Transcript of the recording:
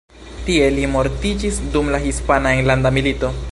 Tie li mortiĝis dum la Hispana Enlanda Milito.